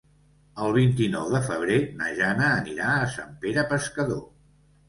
El vint-i-nou de febrer na Jana anirà a Sant Pere Pescador.